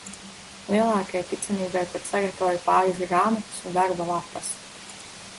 Lielākai ticamībai pat sagatavoju pāris grāmatas un darba lapas.